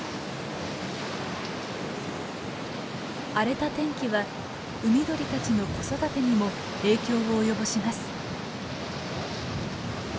荒れた天気は海鳥たちの子育てにも影響を及ぼします。